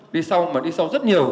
đi sau mà đi sau rất nhiều